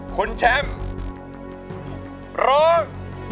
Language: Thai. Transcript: คุณแชมป์ร้อง